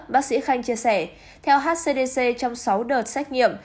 bác sĩ khanh chia sẻ theo hcdc trong sáu đợt xét nghiệm